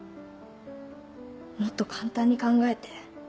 もっと簡単に考えて。